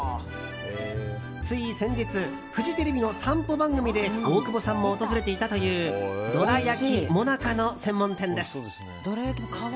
つい先日フジテレビの散歩番組で大久保さんも訪れていたというどら焼き、もなかの専門店です。